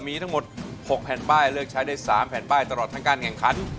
มีทั้งหมด๖แผ่นป้ายเลือกใช้ได้๓แผ่นป้ายตลอดทั้งการแข่งขัน